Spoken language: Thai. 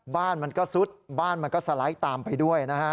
บ้านมันก็ซุดบ้านมันก็สไลด์ตามไปด้วยนะฮะ